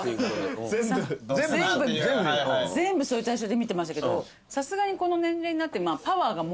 全部そういう対象で見てましたけどさすがにこの年齢になって。